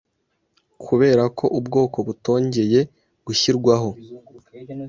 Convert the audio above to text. kubera ko ubwoko butongeye gushyirwaho